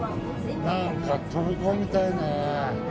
なんか飛び込みたいな。